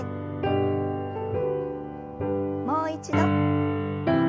もう一度。